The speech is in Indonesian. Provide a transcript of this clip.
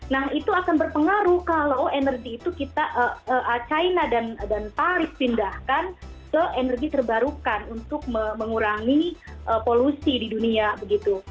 nah itu akan berpengaruh kalau energi itu kita china dan paris pindahkan ke energi terbarukan untuk mengurangi polusi di dunia begitu